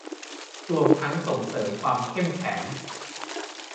รวมทั้งส่งเสริมความเข้มแข็ง